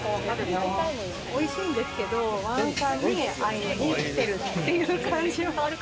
おいしいんですけど、王さんに会いに来ているっていう感じはある。